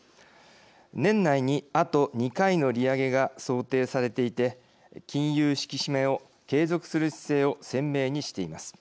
年内にあと２回の利上げが想定されていて金融引き締めを継続する姿勢を鮮明にしています。